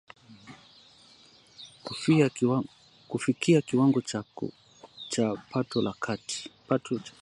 kufikia kiwango cha kipato cha kati